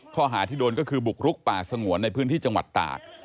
ข้อหาที่โดนก็คือบุกรุกป่าสงวนในพื้นที่จังหวัดตาก